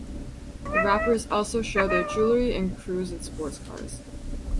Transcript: The rappers also show their jewelry and cruise in sports cars.